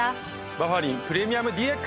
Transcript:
バファリンプレミアムＤＸ！